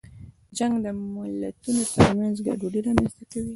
جنګ د ملتونو ترمنځ ګډوډي رامنځته کوي.